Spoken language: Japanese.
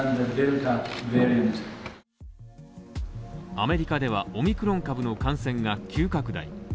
アメリカでは、オミクロン株の感染が急拡大。